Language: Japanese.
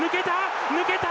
抜けた！